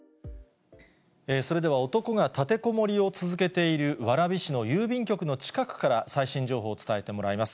それでは、男が立てこもりを続けている蕨市の郵便局の近くから、最新情報を伝えてもらいます。